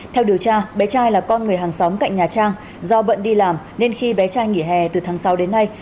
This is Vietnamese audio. theo điều tra bé trai là con người hàng xóm cạnh nhà trang do bận đi làm nên khi bé trai nghỉ hè từ tháng sáu đến nay